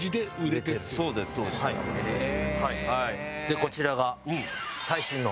でこちらが。